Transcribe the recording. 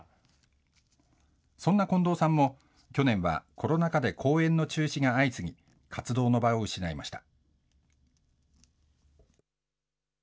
そんな近藤さんも、去年はコロナ禍で公演の中止が相次ぎ、活動の場を失いました。